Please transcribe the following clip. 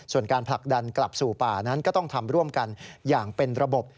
ส่วนการผลักดันกลับสู่ป่านั้นก็ต้องทำร่วมกันอย่างเป็นระบบ